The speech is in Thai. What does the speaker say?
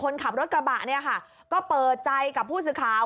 คนขับรถกระบะก็เปิดใจกับผู้สื่อข่าว